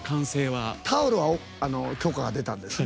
タオルは許可が出たんですね。